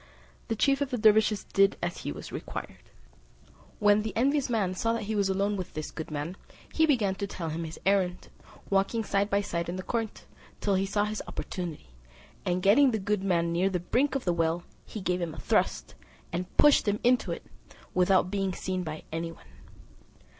The chief of the dervises did as he was required. When the envious man saw that he was alone with this good man, he began to tell him his errand, walking side by side in the court, till he saw his opportunity; and getting the good man near the brink of the well, he gave him a thrust, and pushed him into it, without being seen by any one.